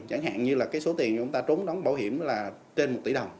chẳng hạn như là cái số tiền chúng ta trốn đóng bảo hiểm là trên một tỷ đồng